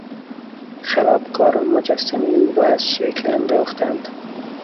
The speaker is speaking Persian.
خرابکاران مجسمه او را از شکل انداختند.